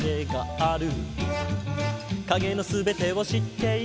「影の全てを知っている」